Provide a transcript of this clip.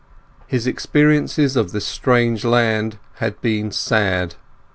His experiences of this strange land had been sad.